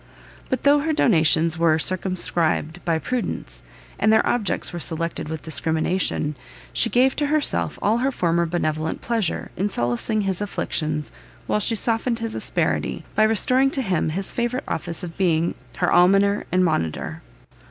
But though her donations were circumscribed by prudence, and their objects were selected with discrimination, she gave to herself all her former benevolent pleasure, in solacing his afflictions, while she softened his asperity, by restoring to him his favourite office of being her almoner and monitor.